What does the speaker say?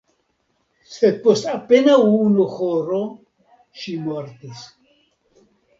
Sed post apenaŭ unu horo ŝi mortis.